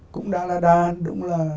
cũng đã là đúng là